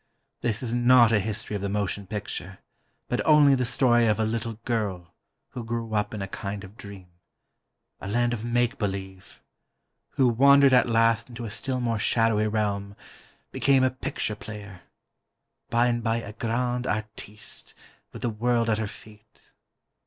This is not a history of the motion picture, but only the story of a little girl, who grew up in a kind of dream ... a land of make believe ... who wandered at last into a still more shadowy realm, became a picture player ... by and by a grande artiste, with the world at her feet